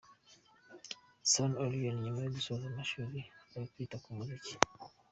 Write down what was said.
Sano Alyn nyuma yo gusoza amashuri ari kwita ku muziki.